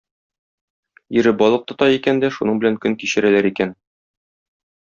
Ире балык тота икән дә шуның белән көн кичерәләр икән.